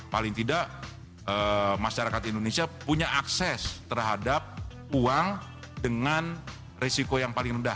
paling tidak masyarakat indonesia punya akses terhadap uang dengan risiko yang paling rendah